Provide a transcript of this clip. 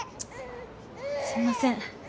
すみません。